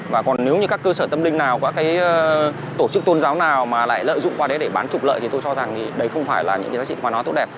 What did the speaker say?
và còn nếu như các cơ sở tâm linh nào các tổ chức tôn giáo nào mà lại lợi dụng qua đấy để bán trục lợi thì tôi cho rằng đấy không phải là những cái gì mà nó tốt đẹp